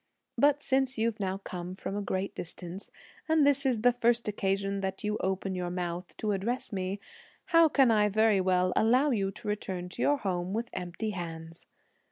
But since you've now come from a great distance, and this is the first occasion that you open your mouth to address me, how can I very well allow you to return to your home with empty hands!